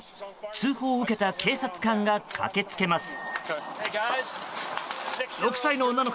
通報を受けた警察官が駆け付けます。